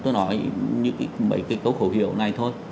tôi nói như mấy cái câu khẩu hiệu này thôi